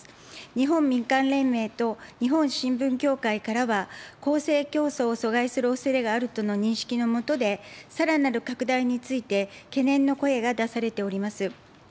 日本民間連盟と日本新聞協会からは、公正競争を阻害するおそれがあるとの認識の下で、さらなる拡大について懸念の声が出されております。